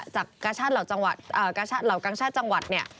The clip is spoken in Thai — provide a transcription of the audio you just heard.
จากกาชาติเหล่ากางชาติจังหวัดเนี่ย